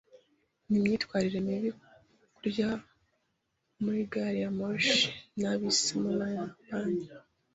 Ni imyitwarire mibi kurya muri gari ya moshi na bisi mu Buyapani.